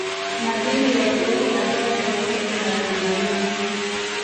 Madini yaliyopo katika taifa letu la Tanzania